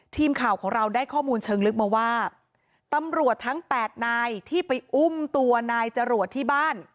ทีมข่าวของเราได้ข้อมูลเชิงลึกมาว่าตำรวจทั้ง๘นายที่ไปอุ้มตัวนายจรวดที่บ้าน